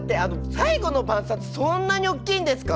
「最後の晩餐」ってそんなにおっきいんですか！？